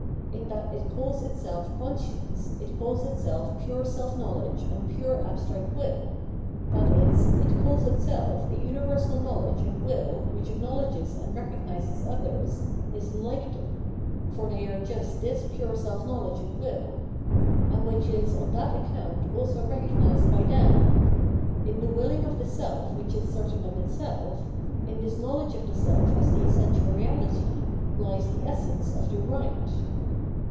In that it calls itself conscience, it calls itself pure self knowledge and pure abstract wiU, i.e. it calls itself a universal knowledge and wiU which acknowledges and recognises others, is like them — for they are just this pure self knowledge and will — and which is on that account also recognised by them. In the willing of the seff which is certain of itself, in this knowledge of the self as the essential reahty, lies the essence of the right.